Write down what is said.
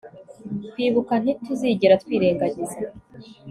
kwibuka ntituzigera twirengagiza